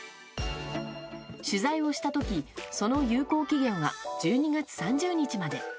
取材をした時その有効期限は１２月３０日まで。